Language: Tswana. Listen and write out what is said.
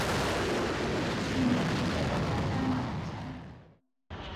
Ke ne ke bereka ka natla.